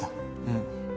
うん。